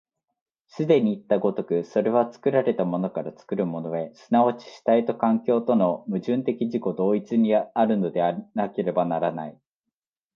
既にいった如く、それは作られたものから作るものへ、即ち主体と環境との矛盾的自己同一にあるのでなければならない。